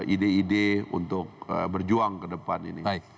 ide ide untuk berjuang ke depan ini